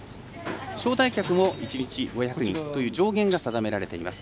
招待客も１日５００人という上限が定められています。